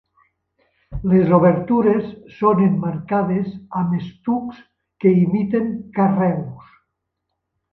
Les obertures són emmarcades amb estucs que imiten carreus.